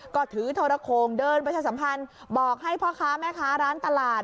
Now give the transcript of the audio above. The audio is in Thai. ก็ถือโทรโครงเดินประชาสัมพันธ์บอกให้พ่อค้าแม่ค้าร้านตลาด